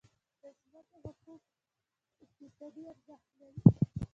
د ځمکې حقوق اقتصادي ارزښت لري.